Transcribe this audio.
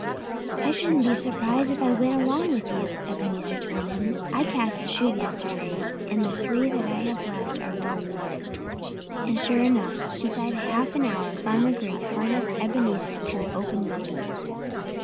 "I shouldn't be surprised if I went along with you," Ebenezer told him. "I cast a shoe yesterday. And the three that I have left are well worn." And sure enough! Inside a half hour Farmer Green harnessed Ebenezer to an open buggy.